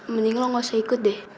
mending lo gak usah ikut deh